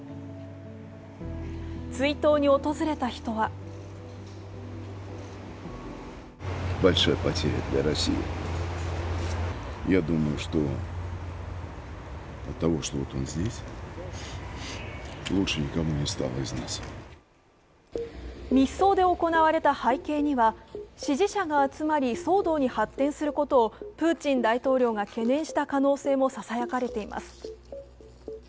追悼に訪れた人は密葬で行われた背景には、支持者が集まり騒動に発展することをプーチン大統領が懸念した可能性もささやかれています。